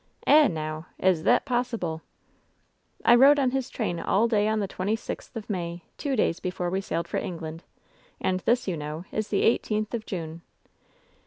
"Eh, now 1 is thet possible ?" "I rode on his train all day on the twenty sixth of May, two days before we sailed for England. And this, you know, is the eighteenth of June."